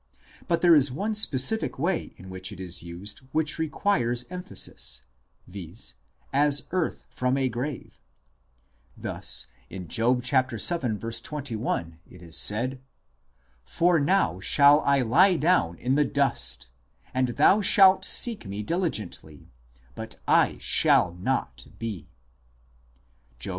But there is one specific way in which it is used which requires emphasis, viz. as earth from a grave ; thus in Job vii. 21 it is said :" For now shall I lie down in the dust ( dphdr) ; and thou shalt seek me diligently, but I shall not be "; Job xx.